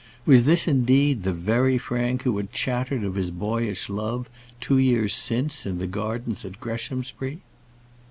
Was this, indeed, the very Frank who had chattered of his boyish love, two years since, in the gardens at Greshamsbury?